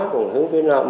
còn hướng phía nam